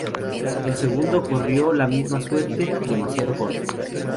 El segundo corrió la misma suerte: demasiado corto.